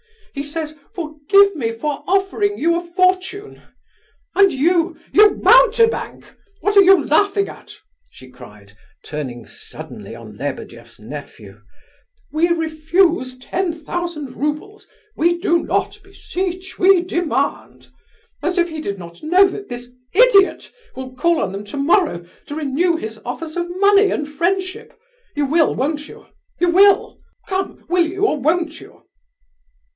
He says, 'Forgive me for offering you a fortune.' And you, you mountebank, what are you laughing at?" she cried, turning suddenly on Lebedeff's nephew. "'We refuse ten thousand roubles; we do not beseech, we demand!' As if he did not know that this idiot will call on them tomorrow to renew his offers of money and friendship. You will, won't you? You will? Come, will you, or won't you?"